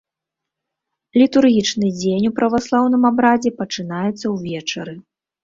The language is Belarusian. Літургічны дзень у праваслаўным абрадзе пачынаецца ўвечары.